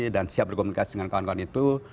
dan siap berkomunikasi dengan kawan kawan itu